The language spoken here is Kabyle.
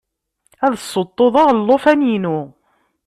Ad ssuṭuḍeɣ llufan-inu.